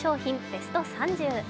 ベスト３０